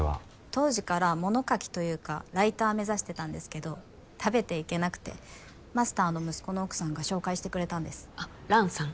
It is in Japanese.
当時から物書きというかライター目指してたんですけど食べていけなくてマスターの息子の奥さんが紹介してくれたんですあっ蘭さん？